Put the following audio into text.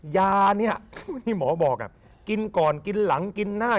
ยานี่พี่หมอบอกเลยที่กินก่อนกินหลังกินฮัน